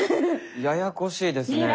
ややこしいですね。